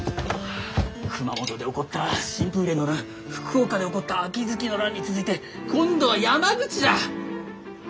熊本で起こった神風連の乱福岡で起こった秋月の乱に続いて今度は山口だ。